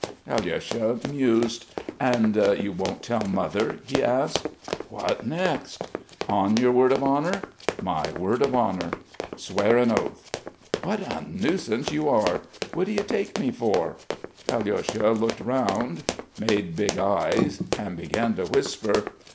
Alyosha mused. "And you won't tell Mother?" he asked. "What next." "On your word of honour." "My word of honour." "Swear an oath." "What a nuisance you are! What do you take me for?" Alyosha looked round, made big eyes and began to whisper.